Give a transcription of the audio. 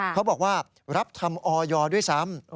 เขาบอกว่ารับทำออยด้วยซ้ำ